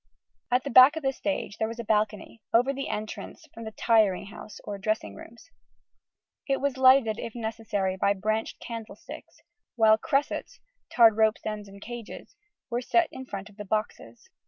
At the back of the stage was a balcony, over the entrance from the "tiring house" or dressing rooms. It was lighted, if necessary, by branched candlesticks, while "cressets" (tarred ropes' ends in cages) were set in front of the boxes.